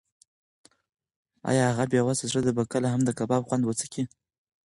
ایا هغه بې وسه ښځه به کله هم د کباب خوند وڅکي؟